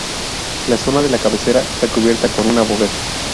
La zona de la cabecera está cubierta con una bóveda.